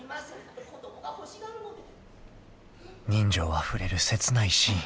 ［人情あふれる切ないシーン］